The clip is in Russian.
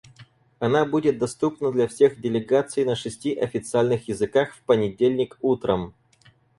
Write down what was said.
Она будет доступна для всех делегаций на шести официальных языках в понедельник утром.